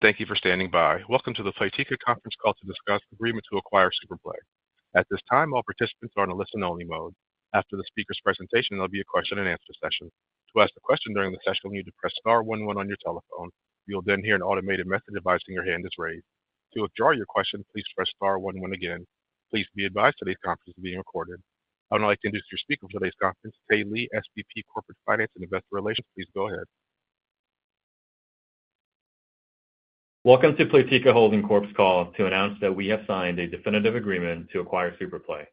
Thank you for standing by. Welcome to the Playtika Conference Call to discuss agreement to acquire Superplay. At this time, all participants are in a listen-only mode. After the speaker's presentation, there'll be a question and answer session. To ask a question during the session, you'll need to press star one one on your telephone. You'll then hear an automated message advising your hand is raised. To withdraw your question, please press star one one again. Please be advised today's conference is being recorded. I would now like to introduce your speaker for today's conference, Tae Lee, SVP, Corporate Finance and Investor Relations. Please go ahead. Welcome to Playtika Holding Corp's call to announce that we have signed a definitive agreement to acquire Superplay.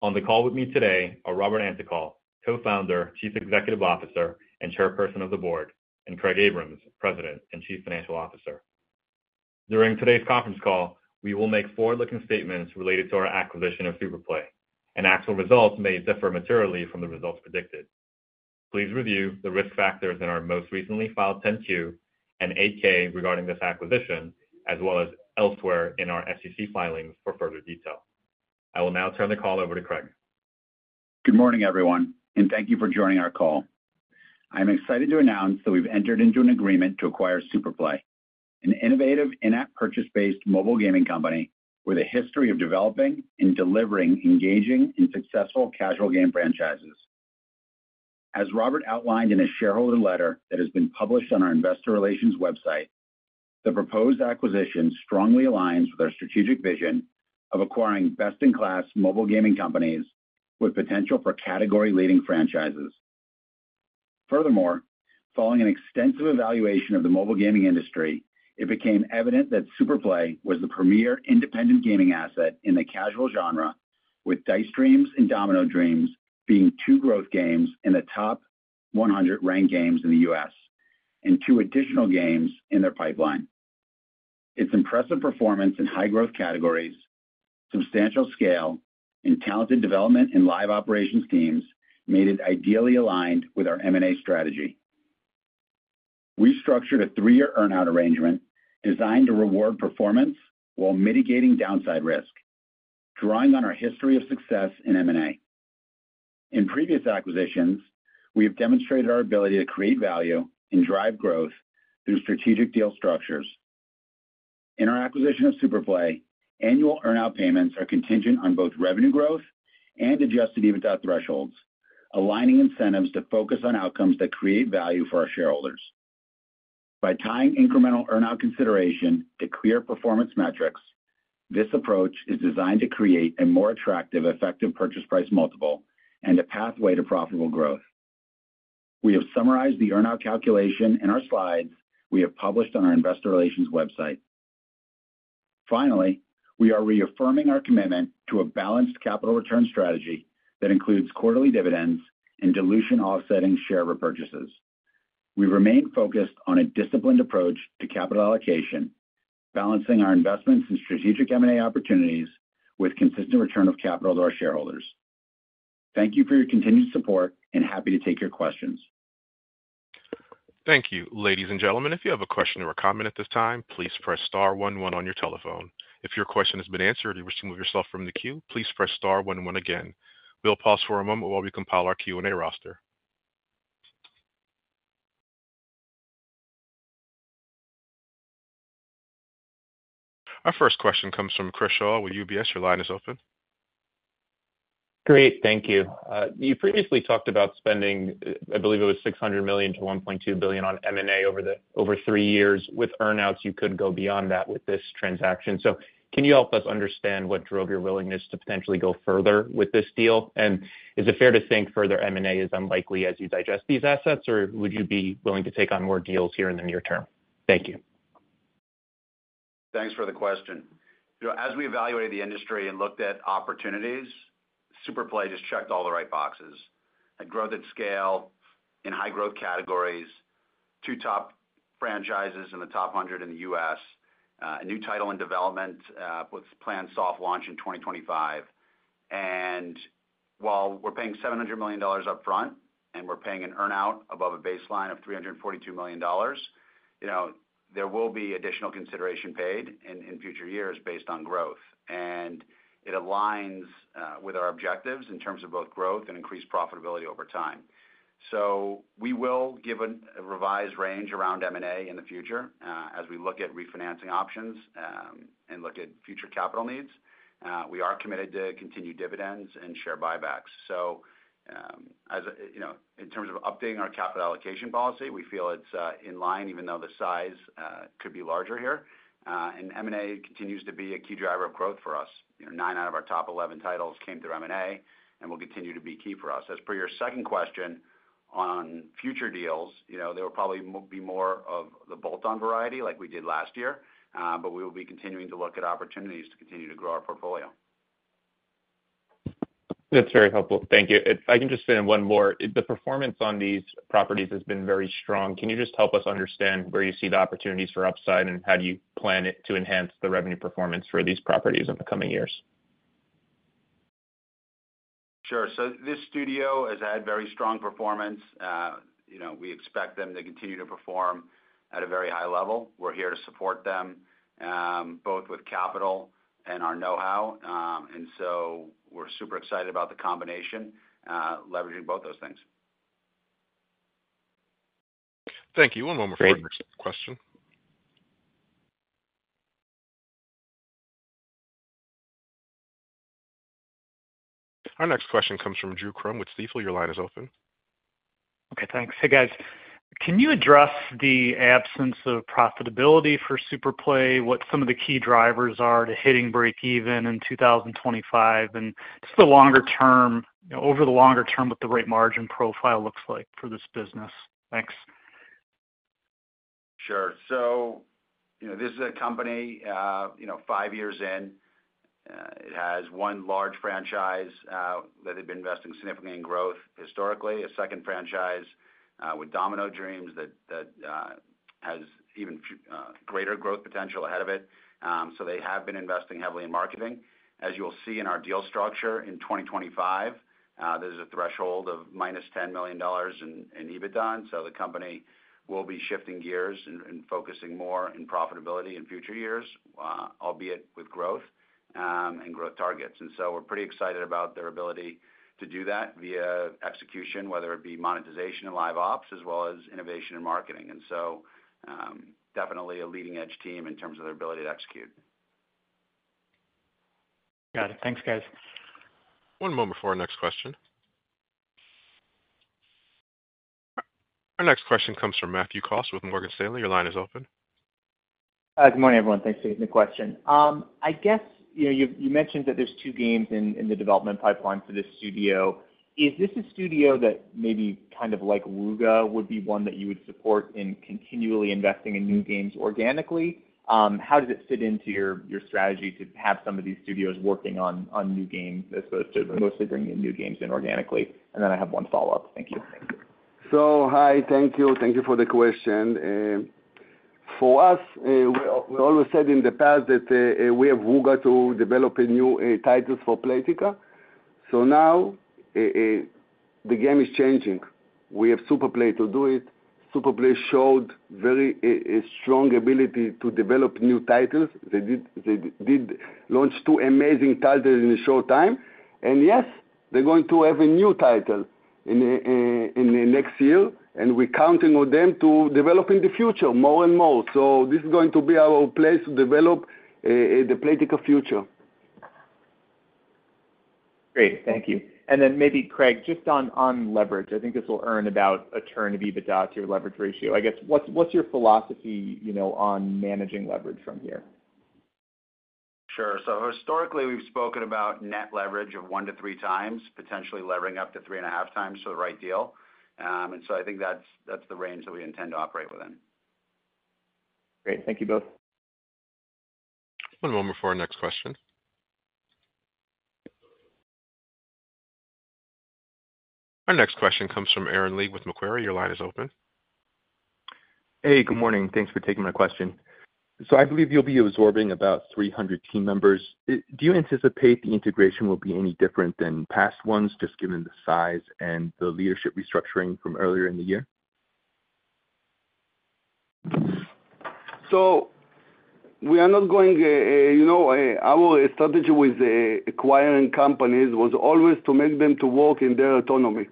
On the call with me today are Robert Antokol, Co-founder, Chief Executive Officer, and Chairperson of the Board, and Craig Abrahams, President and Chief Financial Officer. During today's Conference Call, we will make forward-looking statements related to our acquisition of Superplay, and actual results may differ materially from the results predicted. Please review the risk factors in our most recently filed 10-Q and 8-K regarding this acquisition, as well as elsewhere in our SEC filings for further detail. I will now turn the call over to Craig. Good morning, everyone, and thank you for joining our call. I'm excited to announce that we've entered into an agreement to acquire Superplay, an innovative in-app purchase-based mobile gaming company with a history of developing and delivering, engaging in successful casual game franchises. As Robert outlined in a shareholder letter that has been published on our investor relations website, the proposed acquisition strongly aligns with our strategic vision of acquiring best-in-class mobile gaming companies with potential for category-leading franchises. Furthermore, following an extensive evaluation of the mobile gaming industry, it became evident that Superplay was the premier independent gaming asset in the casual genre, with Dice Dreams and Domino Dreams being two growth games in the top 100 ranked games in the U.S., and two additional games in their pipeline. Its impressive performance in high growth categories, substantial scale, and talented development and live operations teams made it ideally aligned with our M&A strategy. We structured a three-year earn-out arrangement designed to reward performance while mitigating downside risk, drawing on our history of success in M&A. In previous acquisitions, we have demonstrated our ability to create value and drive growth through strategic deal structures. In our acquisition of Superplay, annual earn-out payments are contingent on both revenue growth and Adjusted EBITDA thresholds, aligning incentives to focus on outcomes that create value for our shareholders. By tying incremental earn-out consideration to clear performance metrics, this approach is designed to create a more attractive, effective purchase price multiple and a pathway to profitable growth. We have summarized the earn-out calculation in our slides we have published on our investor relations website. Finally, we are reaffirming our commitment to a balanced capital return strategy that includes quarterly dividends and dilution offsetting share repurchases. We remain focused on a disciplined approach to capital allocation, balancing our investments in strategic M&A opportunities with consistent return of capital to our shareholders. Thank you for your continued support, and happy to take your questions. Thank you. Ladies and gentlemen, if you have a question or a comment at this time, please press star one one on your telephone. If your question has been answered, and you wish to remove yourself from the queue, please press star one one again. We'll pause for a moment while we compile our Q&A roster. Our first question comes from Chris Shao with UBS. Your line is open. Great. Thank you. You previously talked about spending, I believe it was $600 million-$1.2 billion on M&A over three years. With earn-outs, you could go beyond that with this transaction. So can you help us understand what drove your willingness to potentially go further with this deal? And is it fair to think further M&A is unlikely as you digest these assets, or would you be willing to take on more deals here in the near term? Thank you. Thanks for the question. You know, as we evaluated the industry and looked at opportunities, Superplay just checked all the right boxes. A growth at scale in high growth categories, two top franchises in the top 100 in the U.S., a new title in development, with planned soft launch in 2025. And while we're paying $700 million upfront, and we're paying an earn-out above a baseline of $342 million, you know, there will be additional consideration paid in future years based on growth. And it aligns with our objectives in terms of both growth and increased profitability over time. So we will give a revised range around M&A in the future, as we look at refinancing options, and look at future capital needs. We are committed to continued dividends and share buybacks. So, as you know, in terms of updating our capital allocation policy, we feel it's in line, even though the size could be larger here. And M&A continues to be a key driver of growth for us. You know, nine out of our top eleven titles came through M&A and will continue to be key for us. As per your second question on future deals, you know, there will probably be more of the bolt-on variety like we did last year, but we will be continuing to look at opportunities to continue to grow our portfolio. That's very helpful. Thank you. If I can just fit in one more? The performance on these properties has been very strong. Can you just help us understand where you see the opportunities for upside, and how do you plan it to enhance the revenue performance for these properties in the coming years? Sure, so this studio has had very strong performance. You know, we expect them to continue to perform at a very high level. We're here to support them both with capital and our know-how, and so we're super excited about the combination, leveraging both those things. Thank you. One moment for our next question. Our next question comes from Drew Crum with Stifel, your line is open. Okay, thanks. Hey, guys, can you address the absence of profitability for Superplay? What some of the key drivers are to hitting breakeven in 2025, and just the longer term, you know, over the longer term, what the right margin profile looks like for this business? Thanks. Sure. So, you know, this is a company, you know, five years in. It has one large franchise that they've been investing significantly in growth historically, a second franchise with Domino Dreams that has even greater growth potential ahead of it. So they have been investing heavily in marketing. As you'll see in our deal structure in twenty twenty-five, there's a threshold of minus $10 million in EBITDA, so the company will be shifting gears and focusing more on profitability in future years, albeit with growth, and growth targets. And so we're pretty excited about their ability to do that via execution, whether it be monetization and live ops, as well as innovation and marketing. And so, definitely a leading edge team in terms of their ability to execute. Got it. Thanks, guys. One moment before our next question. Our next question comes from Matthew Cost with Morgan Stanley. Your line is open. Good morning, everyone. Thanks for taking the question. I guess, you know, you mentioned that there's two games in the development pipeline for this studio. Is this a studio that maybe kind of like Wooga, would be one that you would support in continually investing in new games organically? How does it fit into your strategy to have some of these studios working on new games as opposed to mostly bringing new games in organically? And then I have one follow-up. Thank you. So, hi. Thank you. Thank you for the question. For us, we always said in the past that we have Wooga to develop new titles for Playtika. So now, the game is changing. We have Superplay to do it. Superplay showed very strong ability to develop new titles. They did launch two amazing titles in a short time. And yes, they're going to have a new title in the next year, and we're counting on them to develop in the future more and more. So this is going to be our place to develop the Playtika future. Great. Thank you. And then maybe Craig, just on, on leverage, I think this will earn about a turn of EBITDA to your leverage ratio. I guess, what's, what's your philosophy, you know, on managing leverage from here? Sure. So historically, we've spoken about net leverage of one to three times, potentially levering up to three and a half times for the right deal. And so I think that's the range that we intend to operate within. Great. Thank you both. One moment before our next question. Our next question comes from Aaron Lee with Macquarie. Your line is open. Hey, good morning. Thanks for taking my question. So I believe you'll be absorbing about 300 team members. Do you anticipate the integration will be any different than past ones, just given the size and the leadership restructuring from earlier in the year? So we are not going, you know, our strategy with acquiring companies was always to make them to work in their autonomy.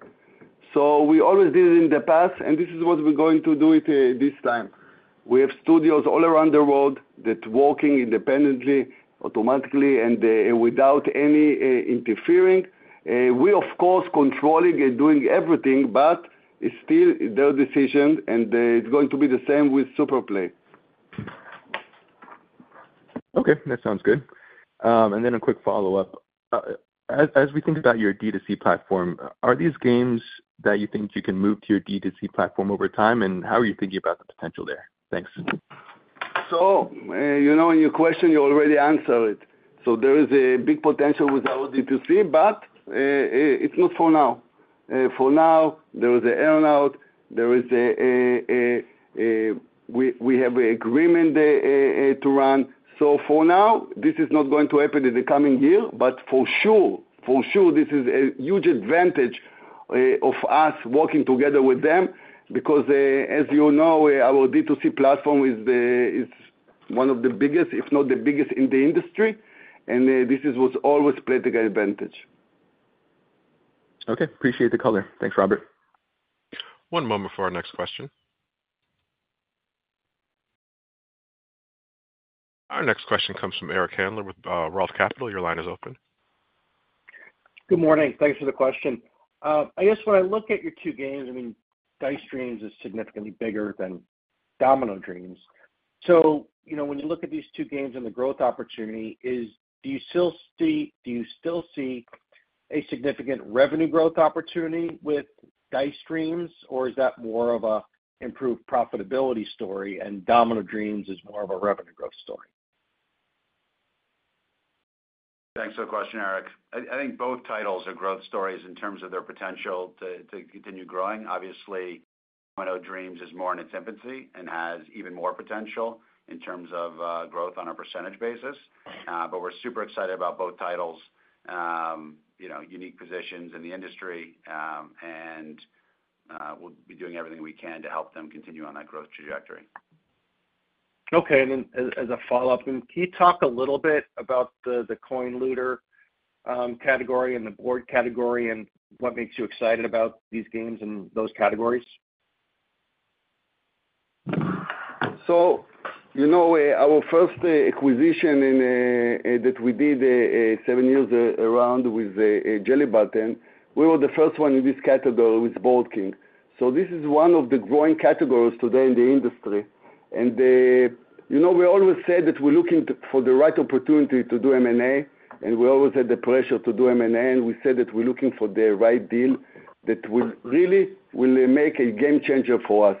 So we always did it in the past, and this is what we're going to do it this time. We have studios all around the world that working independently, autonomously, and without any interfering. We of course controlling and doing everything, but it's still their decision, and it's going to be the same with Superplay. Okay, that sounds good, and then a quick follow-up. As we think about your D2C platform, are these games that you think you can move to your D2C platform over time, and how are you thinking about the potential there? Thanks. So, you know, in your question, you already answered it, so there is a big potential with our D2C, but it's not for now. For now, there is an earn-out, we have an agreement to run, so for now, this is not going to happen in the coming year, but for sure, for sure, this is a huge advantage of us working together with them, because as you know, our D2C platform is one of the biggest, if not the biggest in the industry, and this is what's always Playtika's advantage. Okay, appreciate the color. Thanks, Robert. One moment before our next question. Our next question comes from Eric Handler with Roth Capital. Your line is open. Good morning. Thanks for the question. I guess when I look at your two games, I mean, Dice Dreams is significantly bigger than Domino Dreams. So, you know, when you look at these two games and the growth opportunity, do you still see a significant revenue growth opportunity with Dice Dreams, or is that more of an improved profitability story, and Domino Dreams is more of a revenue growth story? Thanks for the question, Eric. I think both titles are growth stories in terms of their potential to continue growing. Obviously, Domino Dreams is more in its infancy and has even more potential in terms of growth on a percentage basis, but we're super excited about both titles, you know, unique positions in the industry, and we'll be doing everything we can to help them continue on that growth trajectory. Okay, and then as a follow-up, can you talk a little bit about the coin looter category and the board category, and what makes you excited about these games and those categories? You know, our first acquisition in that we did seven years ago with Jelly Button, we were the first one in this category with Board Kings. This is one of the growing categories today in the industry. You know, we always said that we're looking for the right opportunity to do M&A, and we always had the pressure to do M&A, and we said that we're looking for the right deal that will really make a game changer for us.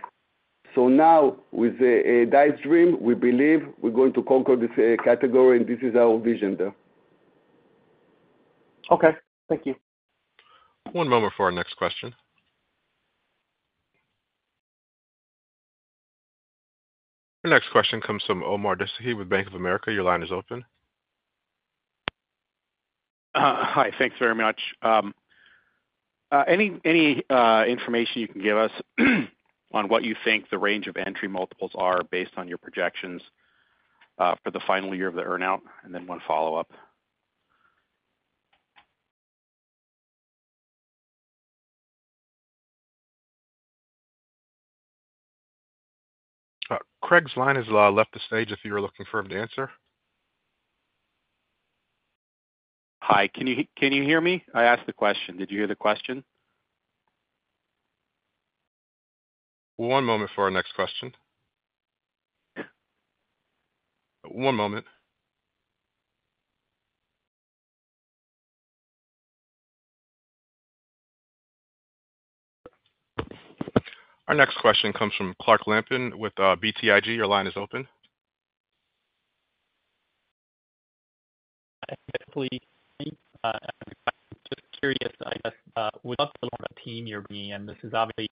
Now, with Dice Dreams, we believe we're going to conquer this category, and this is our vision there. Okay, thank you. One moment for our next question. Our next question comes from Omar Dessouky with Bank of America. Your line is open. Hi, thanks very much. Any information you can give us on what you think the range of entry multiples are based on your projections for the final year of the earn-out? And then one follow-up. Craig's line has left the stage, if you were looking for him to answer. Hi, can you, can you hear me? I asked the question. Did you hear the question? One moment for our next question. One moment. Our next question comes from Clark Lampen with BTIG. Your line is open.... Just curious, I guess, with the team you're bringing, and this is obviously,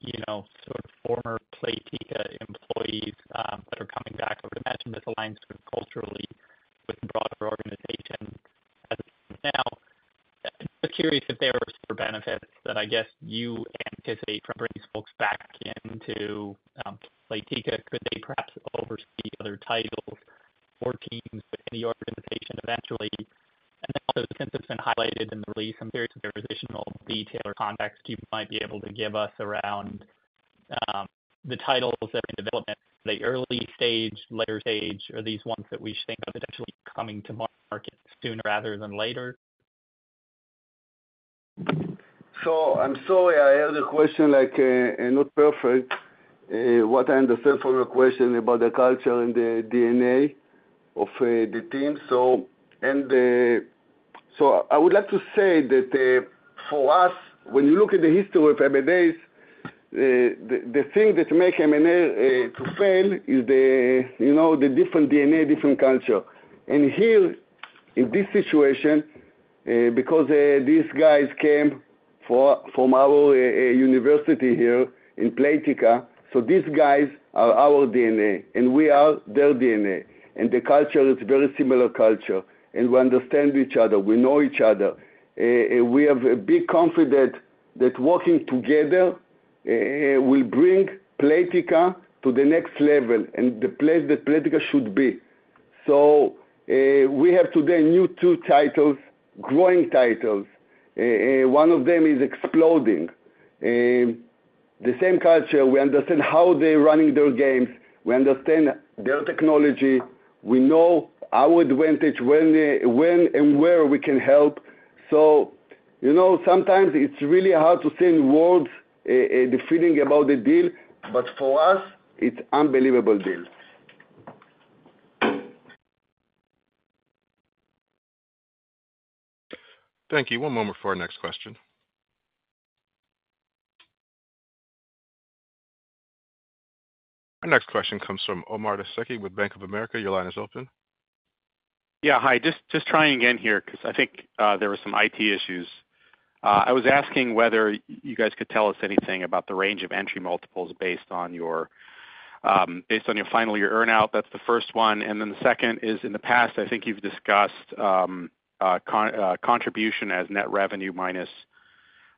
you know, sort of former Playtika employees, that are coming back. I would imagine this aligns culturally with the broader organization. Now, just curious if there are benefits that I guess you anticipate from bringing folks back into, Playtika. Could they perhaps oversee other titles or teams in the organization eventually? And then also, since it's been highlighted in the release, I'm curious if there's additional detail or context you might be able to give us around, the titles that are in development, the early stage, later stage, are these ones that we should think of potentially coming to market sooner rather than later? So I'm sorry, I heard the question, like, not perfect. What I understand from your question about the culture and the DNA of the team. So, so I would like to say that, for us, when you look at the history of M&A's, the thing that make M&A to fail is the, you know, the different DNA, different culture. And here, in this situation, because these guys came from our university here in Playtika, so these guys are our DNA, and we are their DNA, and the culture is a very similar culture, and we understand each other, we know each other. We have a big confidence that working together will bring Playtika to the next level and the place that Playtika should be. So, we have today, new two titles, growing titles. One of them is exploding. The same culture, we understand how they're running their games, we understand their technology, we know our advantage, when and where we can help. So, you know, sometimes it's really hard to say in words, the feeling about the deal, but for us, it's unbelievable deal. Thank you. One moment for our next question. Our next question comes from Omar Dessy with Bank of America. Your line is open. Yeah, hi. Just trying again here, because I think there were some IT issues. I was asking whether you guys could tell us anything about the range of entry multiples based on your final, your earn-out. That's the first one. And then the second is, in the past, I think you've discussed contribution as net revenue minus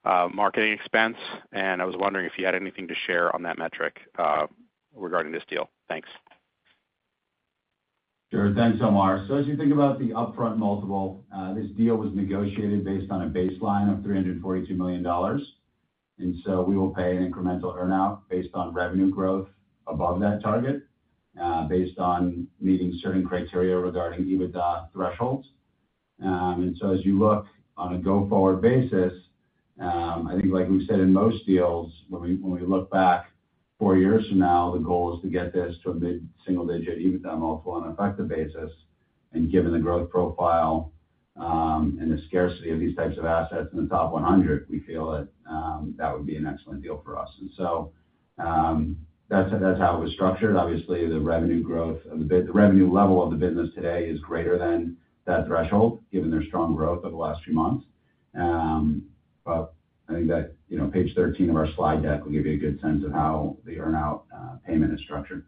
marketing expense, and I was wondering if you had anything to share on that metric regarding this deal. Thanks. Sure. Thanks, Omar, so as you think about the upfront multiple, this deal was negotiated based on a baseline of $342 million, and so we will pay an incremental earn-out based on revenue growth above that target, based on meeting certain criteria regarding EBITDA thresholds, and so as you look on a go-forward basis, I think like we've said in most deals, when we, when we look back four years from now, the goal is to get this to a mid-single digit EBITDA multiple on an effective basis, and given the growth profile, and the scarcity of these types of assets in the top 100, we feel that that would be an excellent deal for us, and so, that's, that's how it was structured. Obviously, the revenue level of the business today is greater than that threshold, given their strong growth over the last few months, but I think that, you know, page thirteen of our slide deck will give you a good sense of how the earn-out payment is structured.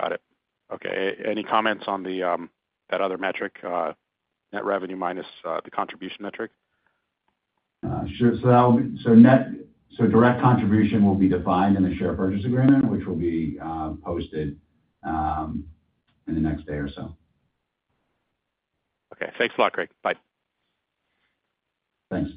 Got it. Okay, any comments on the, that other metric, net revenue minus, the contribution metric? Sure. Net direct contribution will be defined in the share purchase agreement, which will be posted in the next day or so. Okay. Thanks a lot, Craig. Bye. Thanks.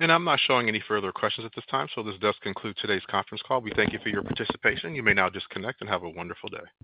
I'm not showing any further questions at this time, so this does conclude today's Conference Call. We thank you for your participation. You may now disconnect and have a wonderful day.